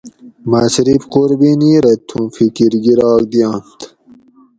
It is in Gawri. مہ صرف قُربینی رہ تھوں فِکر گِراگ دِیانت